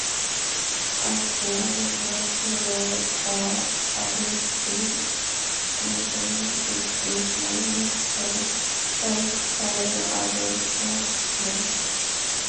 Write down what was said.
As there is no cure for albinism, it is managed through lifestyle adjustments.